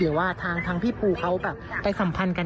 หรือว่าทางพี่ปูเขาแบบไปสัมพันธ์กัน